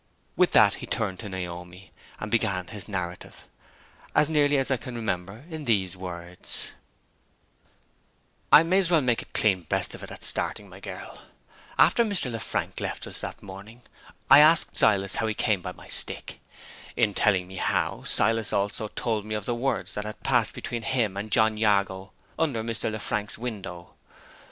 With that he turned to Naomi, and began his narrative, as nearly as I can remember, in these words: "I may as well make a clean breast of it at starting, my girl. After Mr. Lefrank left us that morning, I asked Silas how he came by my stick. In telling me how, Silas also told me of the words that had passed between him and John Jago under Mr. Lefrank's window.